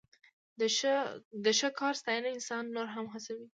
د ښه کار ستاینه انسان نور هم هڅوي.